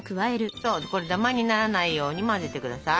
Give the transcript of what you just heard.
これダマにならないように混ぜてください。